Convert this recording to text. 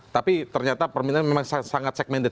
tapi ternyata permintaan memang sangat segmented